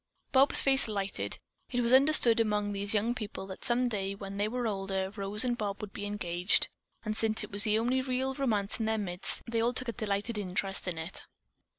Bob's face lighted. It was understood among these young people that some day, when they were older, Rose and Bob would be engaged, and since it was the only real romance in their midst, they all took a delighted interest in it.